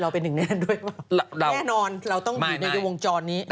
เป็นหนึ่งในนั้นด้วยแน่นอนเราต้องอยู่ในวงจรนี้